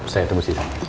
saya tembus disana